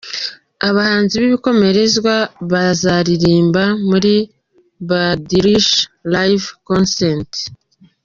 Abahanzi b’ibikomerezwa bazaririmba muri ‘Badilisha Live Concert’ :.